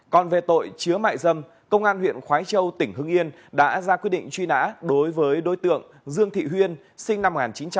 còn về tội chứa mại dâm công an huyện khói châu tỉnh hưng yên đã ra quyết định truy nã đối với đối tượng dương thị huyên sinh năm một nghìn chín trăm tám mươi